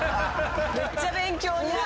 めっちゃ勉強になる。